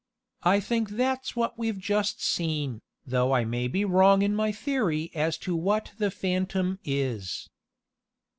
I think that's what we've just seen, though I may be wrong in my theory as to what the phantom is."